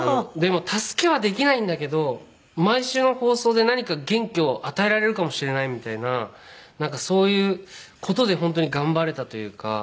でも助けはできないんだけど毎週の放送で何か元気を与えられるかもしれないみたいなそういう事で本当に頑張れたというか。